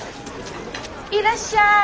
いらっしゃい！